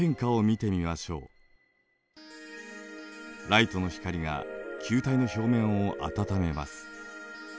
ライトの光が球体の表面を暖めます。